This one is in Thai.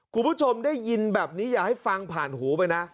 คุณผู้ชมได้ยินแบบนี้อย่าให้ฟังผ่านหูไปนะ